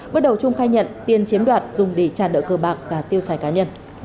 bắt đầu chum khai nhận tiền chiếm đoạt dùng để tràn đỡ cơ bạc và tiêu xài cá nhân